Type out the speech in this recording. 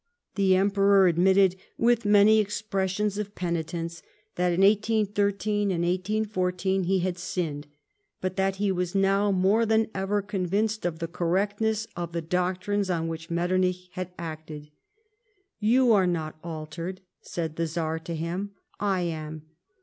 The Emperor admitted, with many expressions of penitence, that in 1813 14 he had sinned, but that he was now more than ever convinced of the correctness of the doctrines on vihich Metternich had acted. " You are not altered," said the Czar to him, " I am.